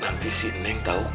masih yakin neng eek